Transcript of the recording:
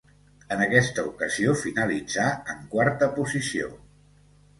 En aquesta ocasió finalitzà en quarta posició.